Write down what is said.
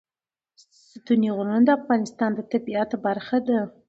ستوني غرونه د افغانستان د طبیعت برخه ده.